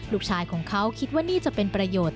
ลูกชายของเขาคิดว่านี่จะเป็นประโยชน์